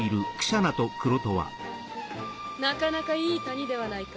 なかなかいい谷ではないか。